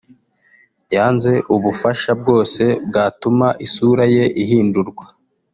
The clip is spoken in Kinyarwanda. yanze ubufasha bwose bwatuma isura ye ihindurwa